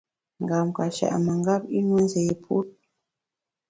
Ngam ka shèt mengap, i nue nzé put.